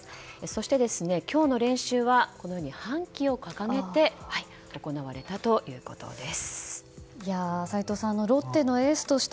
そして、今日の練習は半旗を掲げて行われたということです。